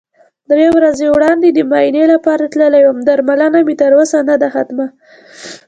درې ورځې وړاندې د معاینې لپاره تللی وم، درملنه مې تر اوسه نده ختمه.